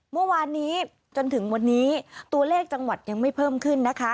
เมื่อวานนี้จนถึงวันนี้ตัวเลขจังหวัดยังไม่เพิ่มขึ้นนะคะ